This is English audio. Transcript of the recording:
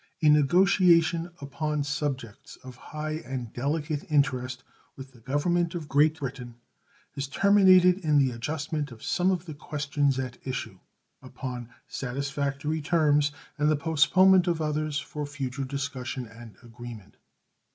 A negotiation upon subjects of high and delicate interest with the Government of Great Britain has terminated in the adjustment of some of the questions at issue upon satisfactory terms and the postponement of others for future discussion and agreement.